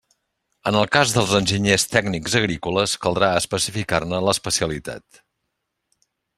En el cas dels enginyers tècnics agrícoles, caldrà especificar-ne l'especialitat.